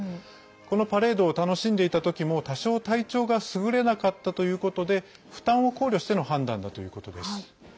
このパレードを楽しんでいたときも多少、体調が優れなかったということで負担を考慮しての判断だということです。